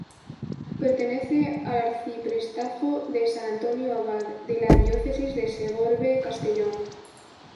Pertenece al arciprestazgo de San Antonio Abad, de la Diócesis de Segorbe-Castellón.